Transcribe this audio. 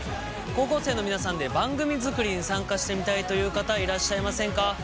高校生の皆さんで番組作りに参加してみたいという方いらっしゃいませんか？